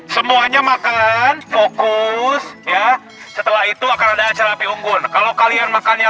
semuanya makan fokus ya setelah itu akan ada acara api unggul kalau kalian makannya